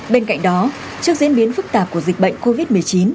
bên cạnh đó trước diễn biến phức tạp của dịch bệnh covid một mươi chín